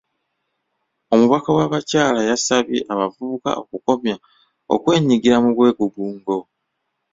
Omubaka w'abakyala yasabye abavubuka okukomya okwenyigira mu bwegugungo.